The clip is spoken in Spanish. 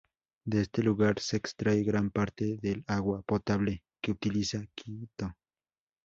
De este lugar se extrae gran parte del agua potable que utiliza Quito.